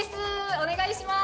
お願いします